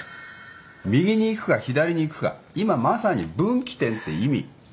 右に行くか左に行くか今まさに分岐点って意味。